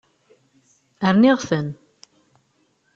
Rniɣ-ten.